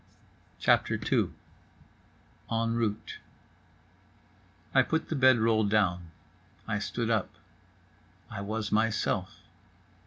II. EN ROUTE I put the bed roll down. I stood up. I was myself.